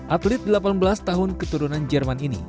atlet delapan belas tahun keturunan jerman ini